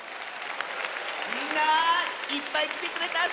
みんないっぱいきてくれたッスね！